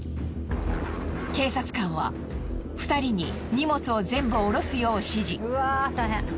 警察官は２人に荷物を全部降ろすよう指示。